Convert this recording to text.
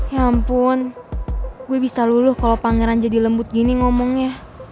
ya ampun gue bisa luluh kalau pangeran jadi lembut gini ngomongnya